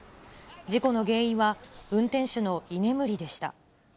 事故の原因は運転手の居眠りでした。